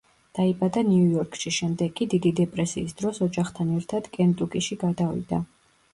დაიბადა ნიუ-იორკში, შემდეგ კი დიდი დეპრესიის დროს ოჯახთან ერთად კენტუკიში გადავიდა.